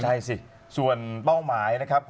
ใช่สิส่วนเป้าหมายนะครับ